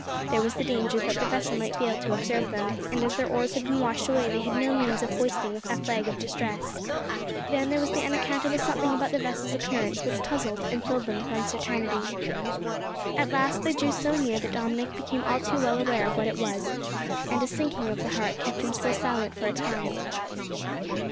There was the danger that the vessel might fail to observe them, and as their oars had been washed away they had no means of hoisting a flag of distress. Then there was the unaccountable something about the vessel's appearance, which puzzled and filled them with uncertainty. At last they drew so near that Dominick became all too well aware of what it was, and a sinking of the heart kept him still silent for a time.